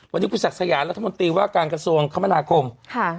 วันนี้คุณศักดิ์สยามรัฐมนตรีว่าการกระทรวงคมนาคมค่ะ